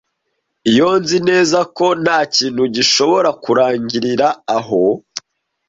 iyo nzi neza ko ntakintu gishobora kurangirira aho